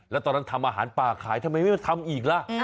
แล้วตอนนั้นทำอาหารป่าขายทำไมไม่มาทำอีกล่ะ